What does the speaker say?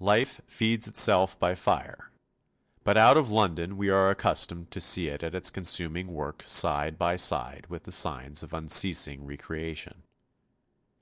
Life feeds itself by fire, but out of London we are accustomed to see it at its consuming work side by side with the signs of unceasing re creation.